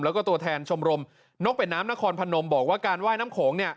แล้วก็ตัวแทนชมรมนกเป็ดน้ำนครพนมบอกว่าการว่ายน้ำโขงเนี่ย